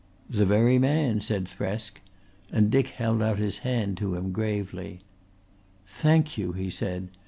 "The very man," said Thresk, and Dick held out his hand to him gravely. "Thank you," he said.